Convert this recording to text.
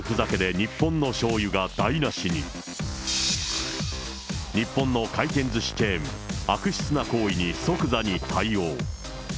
日本の回転ずしチェーン、悪質な行為に即座に対応。